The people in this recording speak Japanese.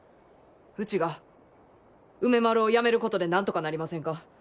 ウチが梅丸をやめることでなんとかなりませんか。